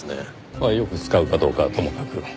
まあよく使うかどうかはともかく。